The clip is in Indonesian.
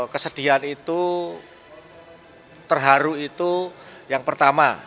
kesedihan itu terharu itu yang pertama